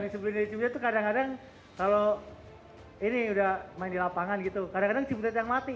sebelumnya itu kadang kadang kalau ini sudah main di lapangan gitu kadang kadang ciputin yang mati